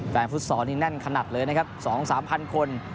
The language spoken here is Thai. แฟนพุทธศรนี้แน่นขนาดเลยนะครับสองสามพันคน